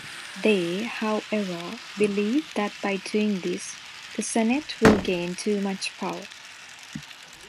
They, however, believe that by doing this, the Senate will gain too much power.